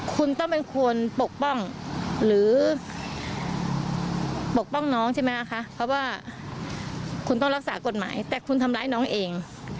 คุณต้องเป็นคนปกป้องหรือปกป้องน้องใช่ไหมคะเพราะว่าคุณต้องรักษากฎหมายแต่คุณทำร้ายน้องเอง